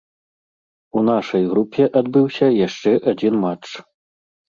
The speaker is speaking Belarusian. У нашай групе адбыўся яшчэ адзін матч.